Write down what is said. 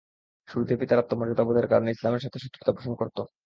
শুরুতে পিতার আত্মমর্যাদা বোধের কারণে ইসলামের সাথে শত্রুতা পোষণ করত।